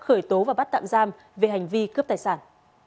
khởi tố và bắt tạm giam về hành vi cướp tài sản